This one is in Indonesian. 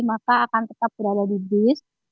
maka akan tetap berada di bis